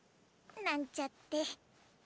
なんちゃって。